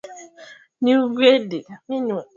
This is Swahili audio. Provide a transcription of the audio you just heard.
kwa lengo la kumtoa baadhi ya viungo muhimu vya mwili wake